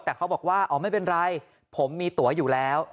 แต่เขาบอกว่าอ๋อไม่เป็นไรผมมีตัวอยู่แล้ว